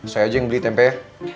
saya aja yang beli tempe ya